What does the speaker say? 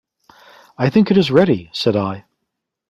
"I think it is ready," said I.